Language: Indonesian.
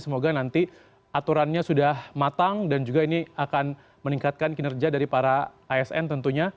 semoga nanti aturannya sudah matang dan juga ini akan meningkatkan kinerja dari para asn tentunya